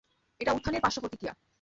এটা উত্থানের পার্শ্বপ্রতিক্রিয়া।